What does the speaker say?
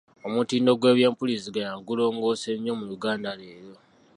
Omutindo gw’eby’empuliziganya gulongoose nnyo mu Yuganda ya leero.